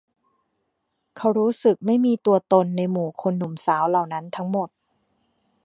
เขารู้สึกไม่มีตัวตนในหมู่คนหนุ่มสาวเหล่านั้นทั้งหมด